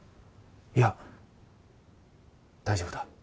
いや大丈夫だ。